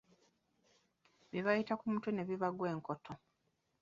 Bibayita ku mutwe ne bibagwa enkoto.